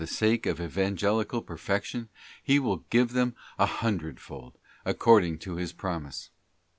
sake of Evangelical Perfection, He will give them a hundred fold, according to His promise.